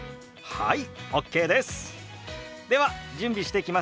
はい。